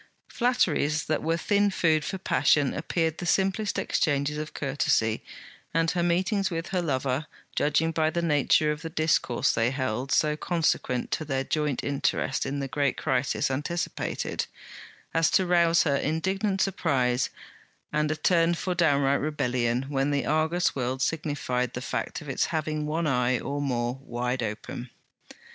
Flatteries that were thin food for passion appeared the simplest exchanges of courtesy, and her meetings with her lover, judging by the nature of the discourse they held, so, consequent to their joint interest in the great crisis anticipated, as to rouse her indignant surprise and a turn for downright rebellion when the Argus world signified the fact of its having one eye, or more, wide open.